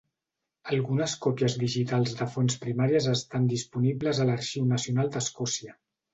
Algunes còpies digitals de fonts primàries estan disponibles a l'Arxiu Nacional d'Escòcia.